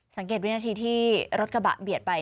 สังเกตวินาทีที่รถกระบะเบียดไป